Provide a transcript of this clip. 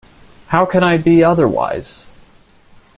How can I be otherwise?